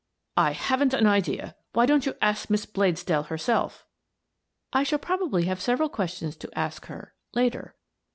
"I haven't an idea. Why don't you ask Miss Bladesdell herself?" " I shall probably have several questions to ask her — later.